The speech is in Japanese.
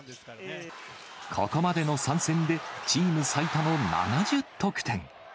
ここまでの３戦で、チーム最多の７０得点。